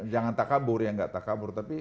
jangan takabur yang nggak takabur tapi